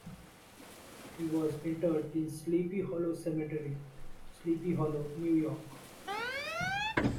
He was interred in the Sleepy Hollow Cemetery, Sleepy Hollow, New York.